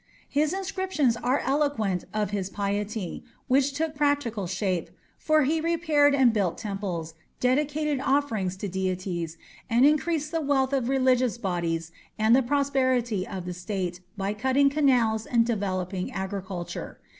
His inscriptions are eloquent of his piety, which took practical shape, for he repaired and built temples, dedicated offerings to deities, and increased the wealth of religious bodies and the prosperity of the State by cutting canals and developing agriculture.